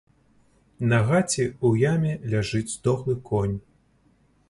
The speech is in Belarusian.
На гаці ў яме ляжыць здохлы конь.